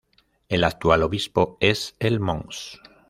El actual Obispo es el Mons.